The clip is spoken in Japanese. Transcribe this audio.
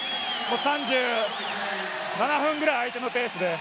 ３７分ぐらい、相手のペースで。